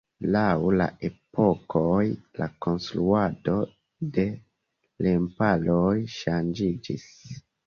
Laŭ la epokoj la konstruado de remparoj ŝanĝiĝis.